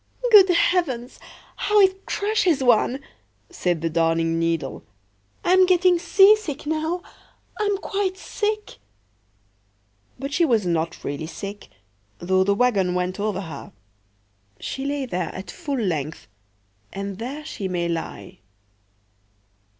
"Good heavens, how it crushes one!" said the Darning needle. "I'm getting seasick now,—I'm quite sick."But she was not really sick, though the wagon went over her; she lay there at full length, and there she may lie.